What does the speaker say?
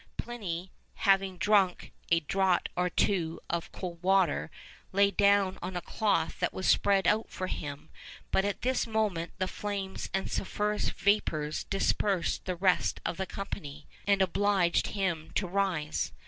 Pliny 'having drunk a draught or two of cold water, lay down on a cloth that was spread out for him; but at this moment the flames and sulphurous vapours dispersed the rest of the company, and obliged him to rise.